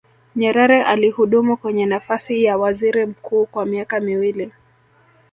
nyerere alihudumu kwenye nafasi ya waziri mkuu kwa miaka miwili